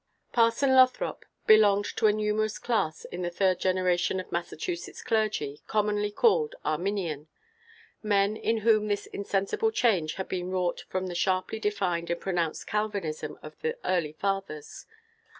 Parson Lothrop belonged to a numerous class in the third generation of Massachusetts clergy, commonly called Arminian, – men in whom this insensible change had been wrought from the sharply defined and pronounced Calvinism of the early fathers.